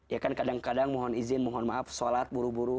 ya kan kadang kadang mohon izin mohon maaf sholat buru buru